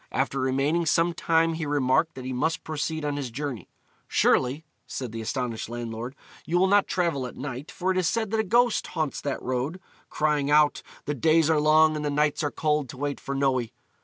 After remaining some time he remarked that he must proceed on his journey. "Surely," said the astonished landlord, "you will not travel at night, for it is said that a ghost haunts that road, crying out, The days are long and the nights are cold to wait for Noe."